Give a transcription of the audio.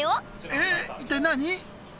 えっ一体何？